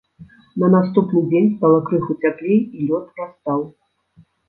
На наступны дзень стала крыху цяплей, і лёд растаў.